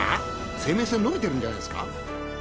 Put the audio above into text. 生命線のびてるんじゃないですか？